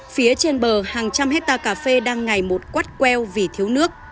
phía trên bờ hàng trăm hectare cà phê đang ngày một quát queo vì thiếu nước